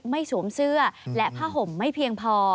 สวมเสื้อและผ้าห่มไม่เพียงพอ